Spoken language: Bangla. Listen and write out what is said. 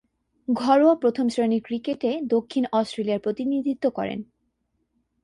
ঘরোয়া প্রথম-শ্রেণীর ক্রিকেটে দক্ষিণ অস্ট্রেলিয়ার প্রতিনিধিত্ব করেন।